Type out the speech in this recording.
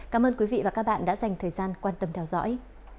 cảm ơn các bạn đã theo dõi